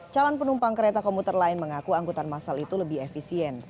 calon penumpang kereta komuter lain mengaku angkutan masal itu lebih efisien